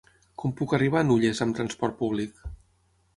Com puc arribar a Nulles amb trasport públic?